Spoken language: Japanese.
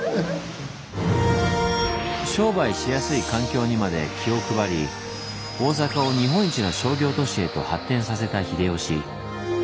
商売しやすい環境にまで気を配り大坂を日本一の商業都市へと発展させた秀吉。